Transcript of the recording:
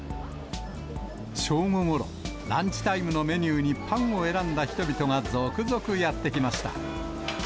正午ごろ、ランチタイムのメニューに、パンを選んだ人々が続々やって来ました。